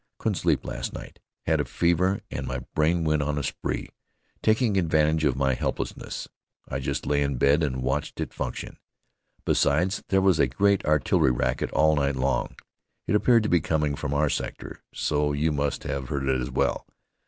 Couldn't sleep last night. Had a fever and my brain went on a spree, taking advantage of my helplessness. I just lay in bed and watched it function. Besides, there was a great artillery racket all night long. It appeared to be coming from our sector, so you must have heard it as well.